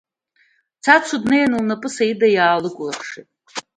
Цацу днеин лнапы Саида иаалыкәлыршеит…